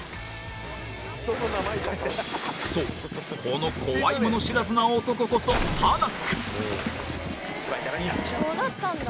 そうこの怖いもの知らずな男こそタナック。